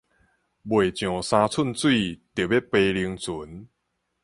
未上三寸水，著欲扒龍船